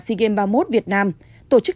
sea games ba mươi một việt nam tổ chức